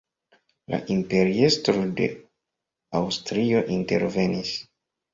La imperiestro de Aŭstrio intervenis.